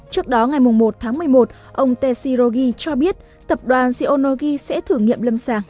trước đó ngày một tháng một mươi một ông t c rogi cho biết tập đoàn xionogi sẽ thử nghiệm lâm sàng